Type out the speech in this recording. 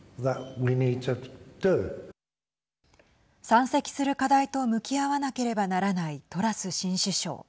山積する課題と向き合わなければならないトラス新首相。